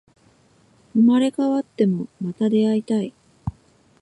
生まれ変わっても、また出会いたい